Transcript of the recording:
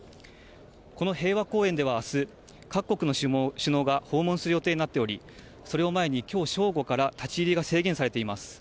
この平和公園ではあす、各国の首脳が訪問する予定になっており、それを前にきょう正午から立ち入りが制限されています。